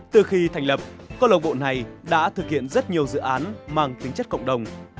từ khi thành lập con lộc bộ này đã thực hiện rất nhiều dự án